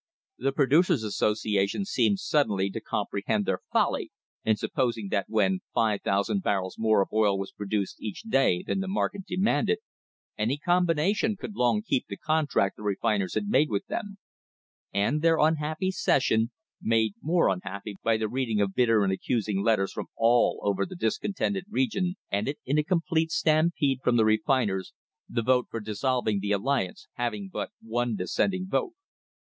The Producers' Association seemed suddenly to comprehend their folly in supposing that when 5,000 barrels more of oil was produced each day than the market demanded any combination could long keep the contract the refiners had made with them; and their unhappy session, made more unhappy by the reading of bitter and accusing letters from all over the discontented region, ended in a complete stampede from the refiners, the vote for dissolving the alliance having but one dissenting voice.